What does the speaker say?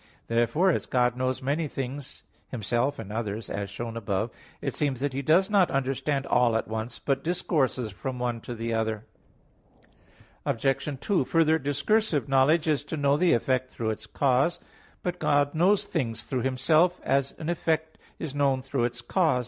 Therefore as God knows many things, Himself and others, as shown above (AA. 2, 5), it seems that He does not understand all at once, but discourses from one to another. Obj. 2: Further, discursive knowledge is to know the effect through its cause. But God knows things through Himself; as an effect (is known) through its cause.